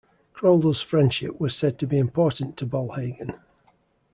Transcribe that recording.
Crodel's friendship was said to be important to Bollhagen.